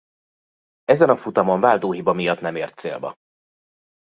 Ezen a futamon váltóhiba miatt nem ért célba.